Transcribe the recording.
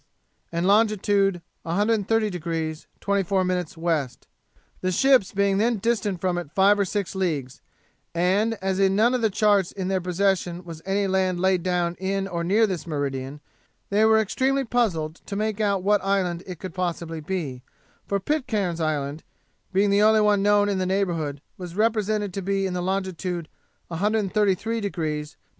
and longitude 130° 24' W., the ships being then distant from it five or six leagues; and, as in none of the charts in their possession was any land laid down in or near this meridian, they were extremely puzzled to make out what island it could possibly be; for Pitcairn's Island, being the only one known in the neighbourhood, was represented to be in longitude 133° 24' W.